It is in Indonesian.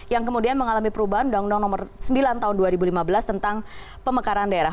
yang kemudian mengalami perubahan undang undang nomor sembilan tahun dua ribu lima belas tentang pemekaran daerah